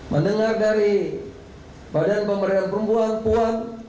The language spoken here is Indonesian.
mendengar dari badan pemberdayaan perempuan puan